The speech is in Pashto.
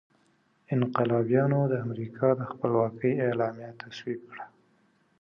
انقلابیانو د امریکا د خپلواکۍ اعلامیه تصویب کړه.